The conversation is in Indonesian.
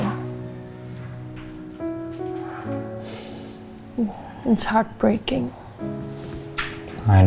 itu sangat menyakitkan